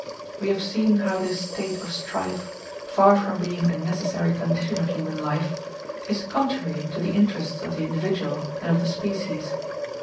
We have seen how this state of strife, far from being a necessary condition of human life, is contrary to the interests of the individual and of the species.